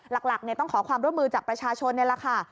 หลักต้องขอความร่วมมือจากประชาชนนี่แหละค่ะ